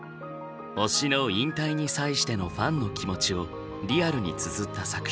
推しの引退に際してのファンの気持ちをリアルにつづった作品。